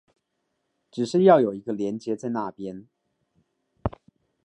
只是要有一個連結在那邊